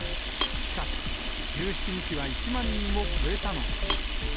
しかし、１７日は１万人を超えたのです。